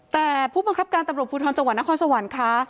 แต่ผู้บังคับการตำรวจพธจนครสวรรค์ค่ะ